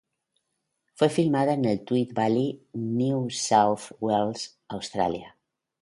Fue filmada en Tweed Valley, New South Wales, Australia.